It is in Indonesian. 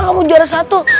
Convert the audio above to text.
kamu juara satu